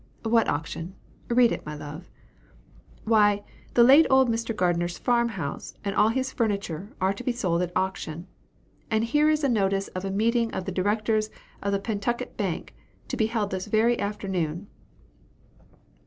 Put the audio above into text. '" "What auction? Read it, my love." "Why, the late old Mr. Gardner's farm house, and all his furniture, are to be sold at auction. And here is a notice of a meeting of the Directors of the Pentucket Bank, to be held this very afternoon."